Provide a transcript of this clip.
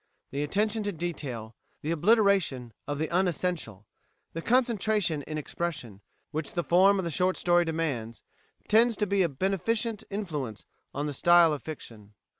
"The attention to detail, the obliteration of the unessential, the concentration in expression, which the form of the short story demands, tends to a beneficent influence on the style of fiction.